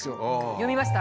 読みました？